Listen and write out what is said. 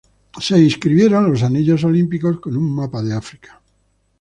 Se inscribieron los anillos olímpicos con un mapa de África.